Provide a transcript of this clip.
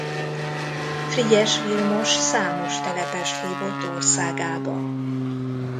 Frigyes Vilmos számos telepest hívott országába.